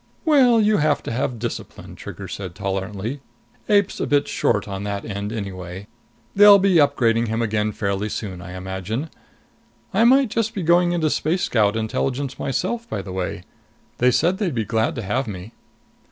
"Well, you have to have discipline," Trigger said tolerantly. "Ape's a bit short on that end anyway. They'll be upgrading him again fairly soon, I imagine. I might just be going into Space Scout Intelligence myself, by the way. They said they'd be glad to have me."